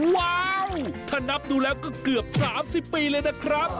ว้าวถ้านับดูแล้วก็เกือบ๓๐ปีเลยนะครับ